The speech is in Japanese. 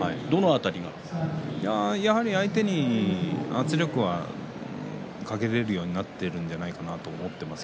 やはり相手に圧力をかけられるようになっているんじゃないかなと思います。